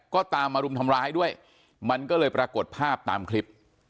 ก็ตามมารุมทำร้ายด้วยมันก็เลยปรากฏภาพตามคลิป